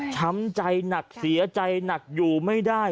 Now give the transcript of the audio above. ช้ำใจหนักเสียใจหนักอยู่ไม่ได้